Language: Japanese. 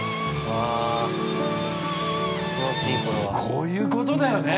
こういうことだよね。